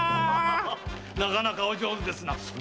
なかなかお上手ですな。